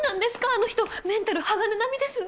あの人メンタル鋼並みです。